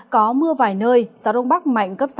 có mưa vài nơi gió đông bắc mạnh cấp sáu